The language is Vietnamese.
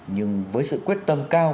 nhưng với sự quyết tâm cao